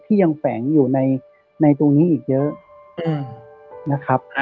ที่ยังแฝงอยู่ในตรงนี้อีกเยอะ